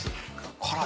辛い？